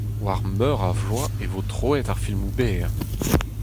War meur a vloaz e vo troet ar filmoù berr.